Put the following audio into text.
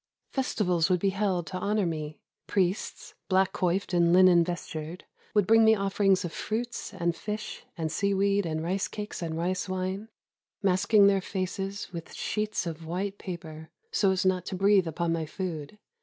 Festivals would be held to honor me. Priests, black coiffed and linen vestured, would bring me offerings of fruits and fish and seaweed and rice cakes and rice wine, — masking their faces with sheets of white paper, so as not to breathe upon my food.